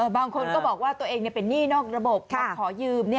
บางคนก็บอกว่าตัวเองเป็นหนี้นอกระบบมาขอยืม